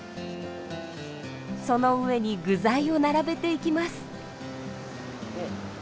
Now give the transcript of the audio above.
その上に具材を並べていきます。